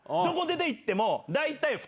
どこ出て行っても大体。